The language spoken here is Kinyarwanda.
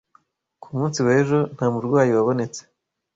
Ku munsi w'ejo nta murwayi wabonetse.